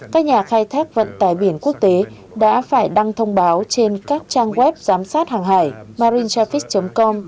các nhà khai thác vận tài biển quốc tế đã phải đăng thông báo trên các trang web giám sát hàng hải marintafic com